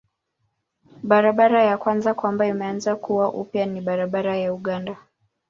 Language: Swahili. Barabara ya kwanza kwamba imeanza kuwa upya ni barabara ya Uganda.